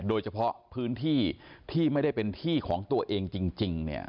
โดยเฉพาะพื้นที่ที่ไม่ได้เป็นที่ของตัวเองจริงเนี่ย